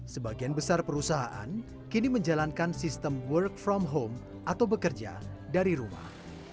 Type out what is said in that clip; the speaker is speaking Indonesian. sebagian besar perusahaan kini menjalankan sistem work from home atau bekerja dari rumah